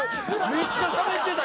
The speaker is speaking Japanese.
めっちゃしゃべってる！